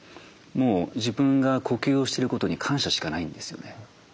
もう自分が呼吸をしてることに感謝しかないんですよね。